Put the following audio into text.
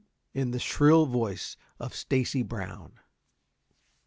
in the shrill voice of Stacy Brown.